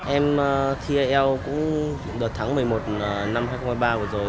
em thi ielts cũng được thắng một mươi một năm hai nghìn một mươi ba rồi rồi